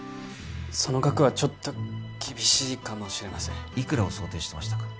その額はちょっと厳しいかもしれませんいくらを想定してましたか？